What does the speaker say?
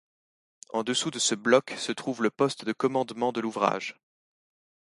En dessous de ce bloc se trouve le poste de commandement de l'ouvrage.